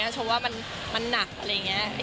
เพราะว่ามันหนักอะไรอย่างนี้